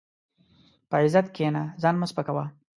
په عزت کښېنه، ځان مه سپکاوه.